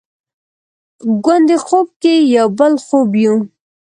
ګوندې خوب کې یو بل خوب یو؟